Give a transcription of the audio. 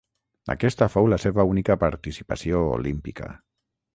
Aquesta fou la seva única participació olímpica.